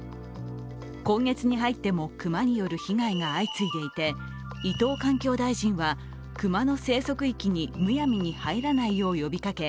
今月に入っても熊による被害が相次いでいて伊藤環境大臣は熊の生息域にむやみに入らないよう呼びかけ